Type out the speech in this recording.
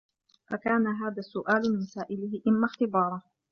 فَكَانَ هَذَا السُّؤَالُ مِنْ سَائِلِهِ إمَّا اخْتِبَارًا